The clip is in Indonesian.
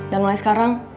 dan mulai sekarang